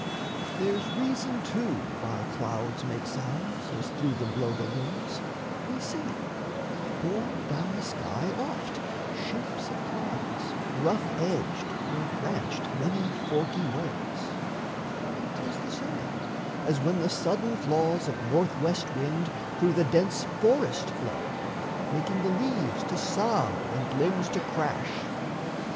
There's reason, too, Why clouds make sounds, as through them blow the winds: We see, borne down the sky, oft shapes of clouds Rough edged or branched many forky ways; And 'tis the same, as when the sudden flaws Of north west wind through the dense forest blow, Making the leaves to sough and limbs to crash.